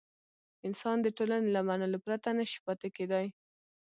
انسان د ټولنې له منلو پرته نه شي پاتې کېدای.